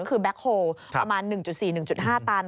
ก็คือแบ็คโฮลประมาณ๑๔๑๕ตัน